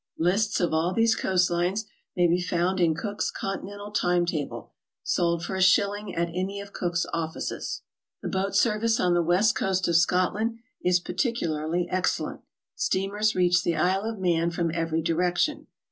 Lists of all these co<ast lines may be found in Cook's Continental Time Table, sold for a shilling at any of Cook's offices. The boat service on the west coast of Scotland is par 70 GOING ABROAD? ticularly excellent. Steamers reach the Iste of Man from every direction.